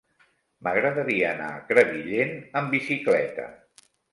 M'agradaria anar a Crevillent amb bicicleta.